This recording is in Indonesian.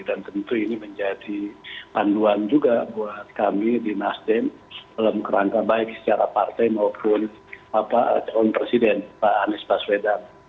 dan tentu ini menjadi panduan juga buat kami di nasdem dalam kerangka baik secara partai maupun pak anis baswedan